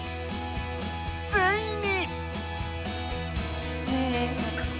ついに！